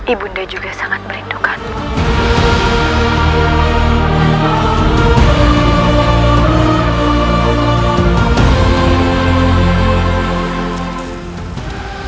ibu bunda juga sangat merindukanmu